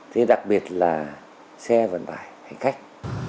thế đặc biệt là xe vận tải hành khách